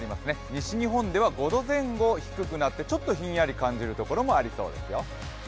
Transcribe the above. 西日本では５度前後低くなってちょっとヒンヤリ感じるところもありそうですよ。